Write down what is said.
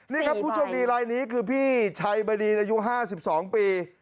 นี่ครับผู้โชคดีลายนี้คือพี่ชัยบดีนอายุ๕๒ปี